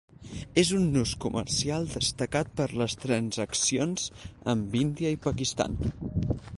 És un nus comercial destacat per les transaccions amb Índia i Pakistan.